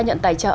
nhận tài trợ